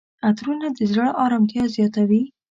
عطرونه د زړه آرامتیا زیاتوي.